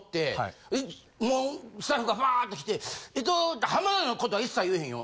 もうスタッフがバーッと来てえっと浜田の事は一切言えへんよ。